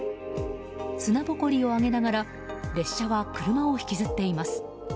砂ぼこりを上げながら列車は車を引きずっています。